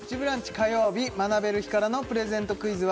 火曜日学べる日からのプレゼントクイズは？